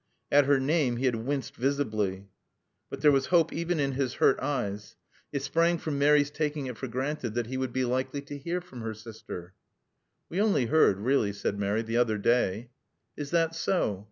At her name he had winced visibly. But there was hope even in his hurt eyes. It sprang from Mary's taking it for granted that he would be likely to hear from her sister. "We only heard really," said Mary, "the other day." "Is that so?"